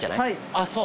あっそう？